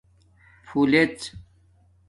پُھولڎ